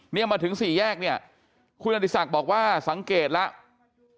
เนี่ยมาถึงสี่แยกเนี่ยคุณอดีศักดิ์บอกว่าสังเกตแล้ว